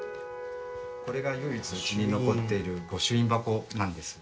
これが唯一うちに残っている御朱印箱なんです。